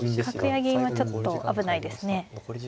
角や銀はちょっと危ないですね。